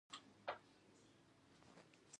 بېرته په کټوې کې په څمڅۍ وهلو اخته شو.